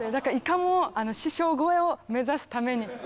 いかも師匠超えを目指すために。